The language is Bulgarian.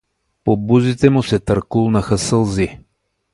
По бузите му се търкулнаха сълзи.